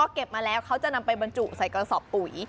เก็บมาแล้วเขาจะนำไปบรรจุใส่กระสอบปุ๋ย